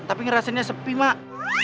tapi ngerasainnya sepi mak